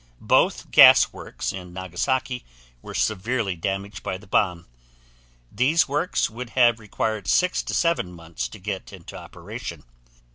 Both gas works in Nagasaki were severely damaged by the bomb. These works would have required 6 7 months to get into operation.